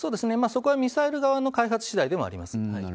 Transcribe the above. そこはミサイル側の開発しだいでもあります。